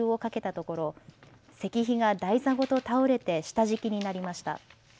ところ石碑が台座ごと倒れて下敷きになりました。